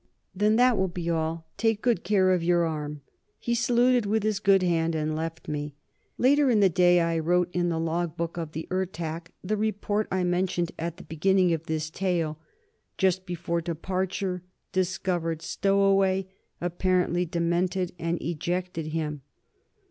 "Then that will be all. Take good care of your arm." He saluted with his good hand and left me. Later in the day I wrote in the log book of the Ertak the report I mentioned at the beginning of this tale: "Just before departure, discovered stowaway, apparently demented, and ejected him."